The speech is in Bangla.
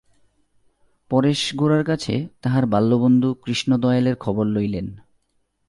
পরেশ গোরার কাছে তাঁহার বাল্যবন্ধু কৃষ্ণদয়ালের খবর লইলেন।